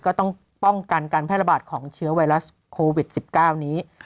ก็ต้องป้องกันการแพร่ระบาดของเชื้อไวรัสโควิด๑๙นี้